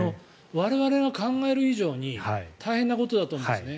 我々が考える以上に大変なことだと思うんですね。